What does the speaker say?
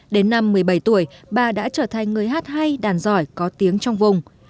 đến năm một mươi bảy tuổi bà đã trở thành người hát hay đàn giỏi có tiếng trong vùng